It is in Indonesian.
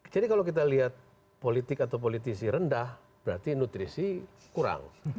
jadi kalau kita lihat politik atau politisi rendah berarti nutrisi kurang